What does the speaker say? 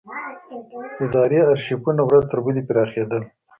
اداري ارشیفونه ورځ تر بلې پراخېدل.